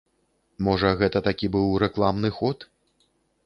Можа, гэта такі быў рэкламны ход.